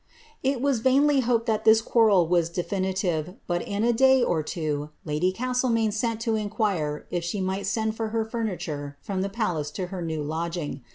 It was vainly hoped that this quarrel was definitive, but in a day or two lady Castlemaine sent to inquire if she might send for her furni ture from the palace to her new lodging.